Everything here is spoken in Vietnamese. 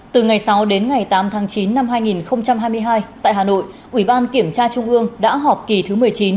từ ngày sáu đến ngày tám tháng chín năm hai nghìn hai mươi hai tại hà nội ủy ban kiểm tra trung ương đã họp kỳ thứ một mươi chín